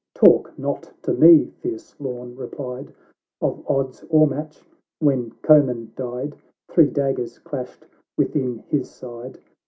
—" Talk not to me," fierce Lorn replied, " Of odds or match !— when Comyn died, Three daggers clashed within his side